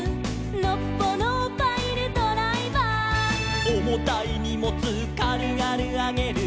「のっぽのパイルドライバー」「おもたいにもつかるがるあげる」